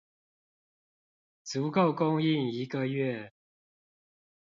足夠供應一個月